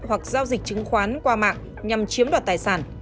hoặc giao dịch chứng khoán qua mạng nhằm chiếm đoạt tài sản